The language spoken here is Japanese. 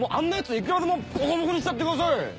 いくらでもボコボコにしちゃってください！